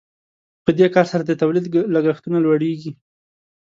په دې کار سره د تولید لګښتونه لوړیږي.